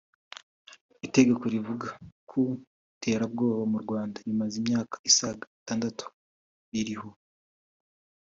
Itegeko rivuga ku iterabwoba mu Rwanda rimaze imyaka isaga itandatu ririho